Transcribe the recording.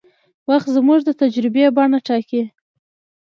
وخت زموږ د تجربې بڼه ټاکي.